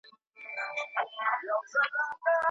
ټولنپوهنه په څو برخو ویشل سوې ده.